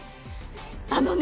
あのね。